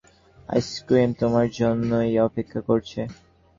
Ice cream তোমার জন্যই অপেক্ষা করছে!